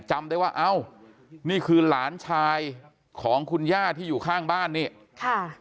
จำได้ว่าเอ้านี่คือหลานชายของคุณย่าที่อยู่ข้างบ้านนี่ค่ะ